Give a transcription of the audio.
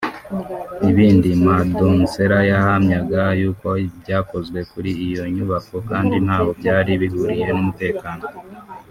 Ibindi Madonsela yahamyaga yuko byakozwe kuri iyo nyubako kandi ntaho byari bihuriye n’umutekano